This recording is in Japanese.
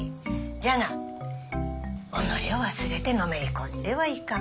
じゃが己を忘れてのめり込んではいかん。